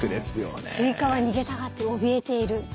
スイカは逃げたがって怯えている。